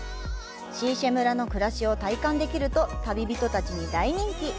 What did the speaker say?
石舎村の暮らしを体感できると、旅人たちに大人気。